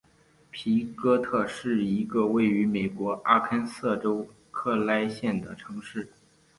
皮哥特是一个位于美国阿肯色州克莱县的城市。